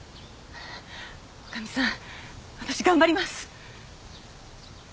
女将さん私頑張ります！